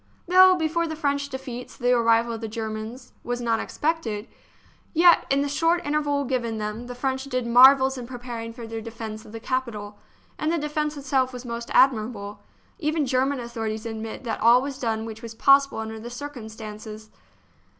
Though, before the French defeats, the arrival of the Germans was not expected, yet in the short interval given them the French did marvels in pre paring for their defence of the capital; and the defence itself was most admirable. Even German authorities admit that all was done which was possible under the circumstances.